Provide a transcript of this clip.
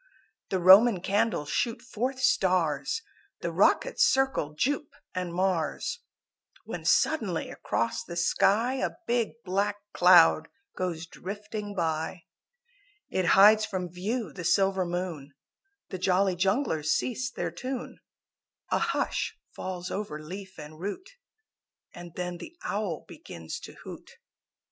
The Roman Candles shoot forth stars, The rockets circle Jupe and Mars, When suddenly across the sky A big black cloud goes drifting by. It hides from view the silver moon, The Jolly Junglers cease their tune; A hush falls over leaf and root And then the Owl begins to hoot.